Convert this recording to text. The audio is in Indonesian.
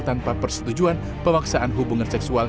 tanpa persetujuan pemaksaan hubungan seksual